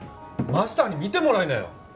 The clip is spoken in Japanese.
マスターに見てもらいなよ